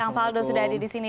kang faldo sudah ada di sini